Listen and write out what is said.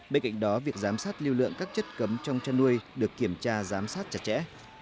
bên cạnh đó việc giám sát lưu lượng các chất cấm trong chăn nuôi được kiểm tra giám sát chặt chẽ